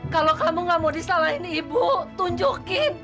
kalau kamu gak mau disalahin ibu tunjukin